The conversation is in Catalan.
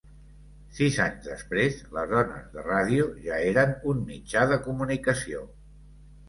Sis anys després, les ones de ràdio ja eren un mitjà de comunicació.